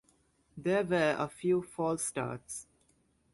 There were a few false starts.